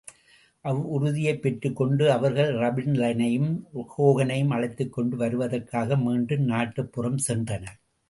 அவ்வுறுதியைப் பெற்றுக் கொண்டு அவர்கள் ராபின்லனையும், ஹோகனையும் அழைத்துக்கொண்டு வருவதற்காக மீண்டும் நாட்டுப்புறம்சென்றனர்.